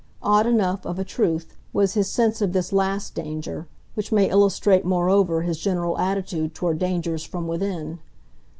Odd enough, of a truth, was his sense of this last danger which may illustrate moreover his general attitude toward dangers from within.